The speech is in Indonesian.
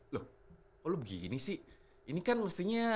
loh kok lu begini sih ini kan mestinya